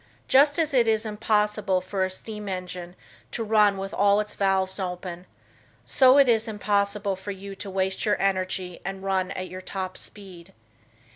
Just as it is impossible for a steam engine to run with all its valves open, so is it impossible for you to waste your energy and run at your top speed.